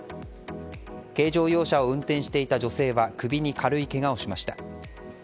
軽乗用車を運転していた女性は首に軽いけがをしました。